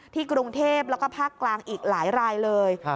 กรุงเทพแล้วก็ภาคกลางอีกหลายรายเลย